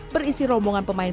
berisi rombongan pemain